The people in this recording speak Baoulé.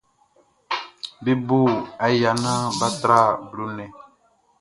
Be bo aya naan bʼa tra blo nnɛn.